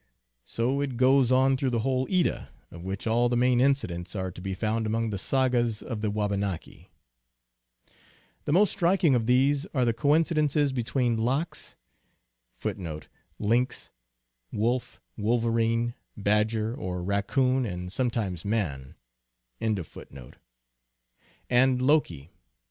So it goes on through the whole Edda, of which all the main incidents are to be found among the sagas of the Wabanaki. The most INTRODUCTION. 1 striking of these are the coincidences between Lox (lynx, wolf, wolverine, badger, or raccoon, and some times man) and Loki.